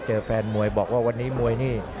แฟนมวยบอกว่าวันนี้มวยนี่